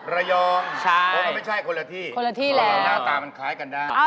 ระยองเพราะมันไม่ใช่คนละที่หน้าตามันคล้ายกันได้ใช่คนละที่แล้ว